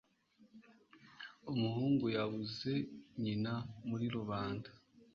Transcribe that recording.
Umuhungu yabuze nyina muri rubanda.